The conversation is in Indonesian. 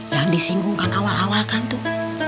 yang disinggungkan awal awalkan tuh